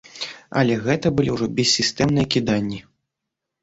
Але гэта былі ўжо бессістэмныя кіданні.